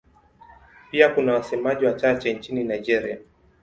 Pia kuna wasemaji wachache nchini Nigeria.